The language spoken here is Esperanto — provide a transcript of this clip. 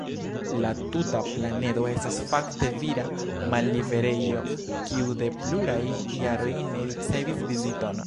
La tuta planedo estas fakte vira malliberejo kiu de pluraj jaroj ne ricevis viziton.